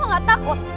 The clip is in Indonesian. lo gak takut